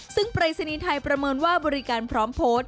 ซึ่งปรายศนีย์ไทยประเมินว่าบริการพร้อมโพสต์